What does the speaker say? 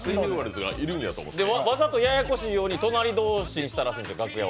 で、わざとややこしいように隣同士にしたらしんですよ、楽屋。